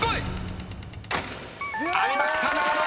［ありました「長野」！